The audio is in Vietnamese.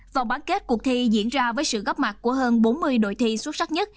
vòng bán kết cuộc thi diễn ra với sự góp mặt của hơn bốn mươi đội thi xuất sắc nhất